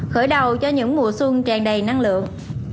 khởi đầu cho những mùa xuân tràn đầy năng lượng